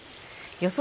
予想